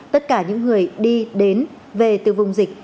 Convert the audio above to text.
tất cả những người đi đến về từ vùng dịch